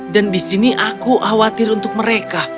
dan di sini aku khawatir untuk mereka